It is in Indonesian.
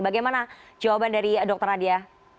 bagaimana jawaban dari dr nadia